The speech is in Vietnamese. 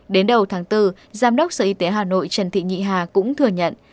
đến đầu tháng bốn giám đốc sở y tế hà nội trần thị nhị hà cũng thừa nhận